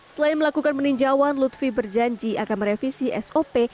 selain melakukan peninjauan lutfi berjanji akan merevisi sop